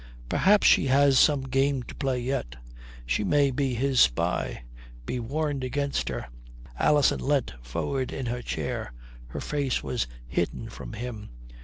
"Perhaps she has some game to play yet. She may be his spy. Be warned against her." Alison leant forward in her chair. Her face was hidden from him.